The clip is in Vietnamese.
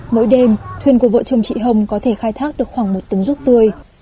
mỗi đêm thuyền của vợ chồng chị hồng có thể khai thác được khoảng một tấn ruốc tươi